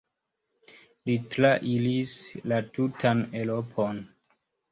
Li trairis la tutan Eŭropon.